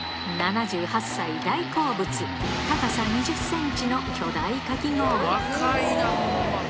７８歳大好物、高さ２０センチの巨大かき氷。